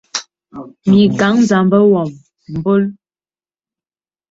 Mìkàŋ zàmā wōŋ mbòl.